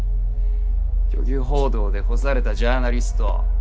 虚偽報道で干されたジャーナリスト。